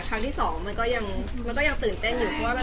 ครั้งที่สองมันก็ยังตื่นเต้นอยู่